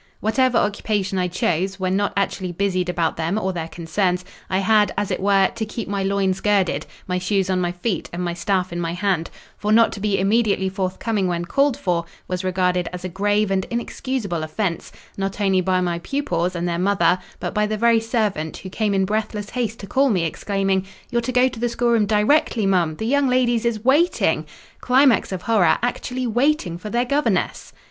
Whatever occupation I chose, when not actually busied about them or their concerns, I had, as it were, to keep my loins girded, my shoes on my feet, and my staff in my hand; for not to be immediately forthcoming when called for, was regarded as a grave and inexcusable offence: not only by my pupils and their mother, but by the very servant, who came in breathless haste to call me, exclaiming, "You're to go to the schoolroom directly, mum, the young ladies is WAITING!!" Climax of horror! actually waiting for their governess!!!